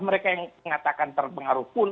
mereka yang mengatakan terpengaruh pun